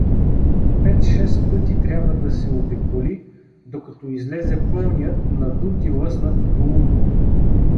Пет-шест пъти трябва да се обиколи, докато излезе пълният, надут и лъснат тулум.